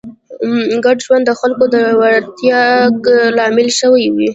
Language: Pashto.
ګډ ژوند ته د خلکو د ورتګ لامل شوې وي